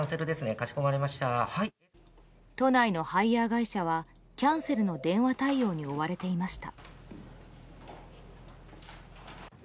都内のハイヤー会社はキャンセルの電話対応に追われていました。